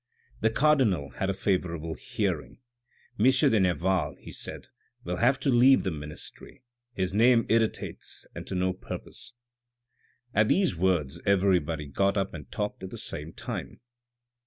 The cardinal had a favourable hearing. " M. de Nerval," he said, " will have to leave the ministry, his name irritates and to no purpose." At these words everybody got up and talked at the same time.